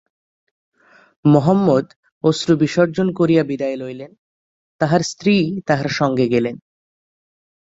মহম্মদ অশ্রুবিসর্জন করিয়া বিদায় লইলেন, তাঁহার স্ত্রী তাঁহার সঙ্গে গেলেন।